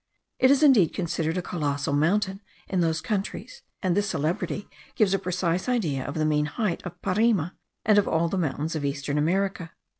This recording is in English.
It is indeed considered as a colossal mountain in those countries; and this celebrity gives a precise idea of the mean height of Parima and of all the mountains of eastern America.